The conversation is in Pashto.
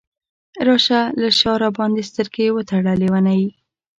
راشه له شاه راباندې سترګې وتړه لیونۍ !